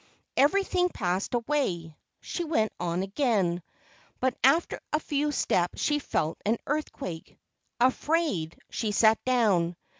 Everything passed away. She went on again, but after a few steps she felt an earthquake. Afraid, she sat down.